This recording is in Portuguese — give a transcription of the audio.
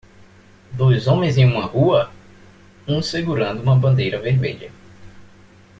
Dois homens em uma rua? um segurando uma bandeira vermelha.